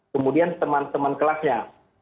kemudian teman teman kelasnya